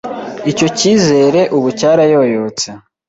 "Icyo cyizere ubu cyarayoyotse